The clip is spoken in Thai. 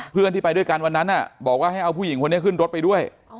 เพื่อนที่ไปด้วยกันวันนั้นบอกว่าให้เอาผู้หญิงคนนี้ขึ้นรถไปด้วย